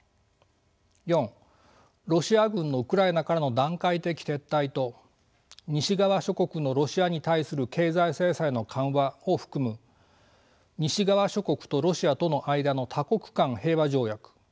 ４ロシア軍のウクライナからの段階的撤退と西側諸国のロシアに対する経済制裁の緩和を含む西側諸国とロシアとの間の多国間平和条約。